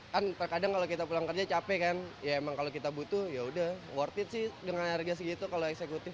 kan terkadang kalau kita pulang kerja capek kan ya emang kalau kita butuh yaudah worth it sih dengan harga segitu kalau eksekutif